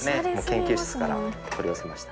研究室から取り寄せました。